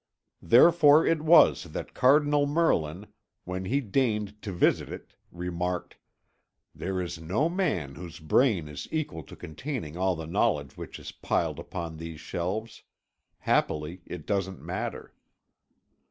Therefore it was that Cardinal Merlin, when he deigned to visit it, remarked: "There is no man whose brain is equal to containing all the knowledge which is piled upon these shelves. Happily it doesn't matter."